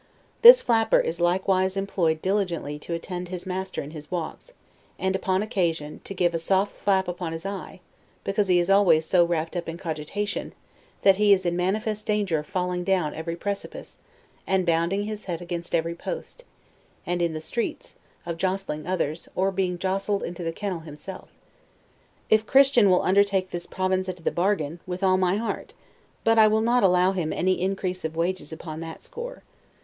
This flapper is likewise employed diligently to attend his master in his walks; and, upon occasion, to give a soft flap upon his eyes, because he is always so wrapped up in cogitation, that he is in manifest danger of falling down every precipice, and bouncing his head against every post, and, in the streets, of jostling others, or being jostled into the kennel himself. If CHRISTIAN will undertake this province into the bargain, with all my heart; but I will not allow him any increase of wages upon that score.